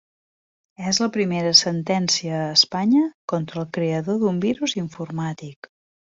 És la primera sentència a Espanya contra el creador d'un virus informàtic.